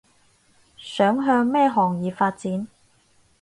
想向咩行業發展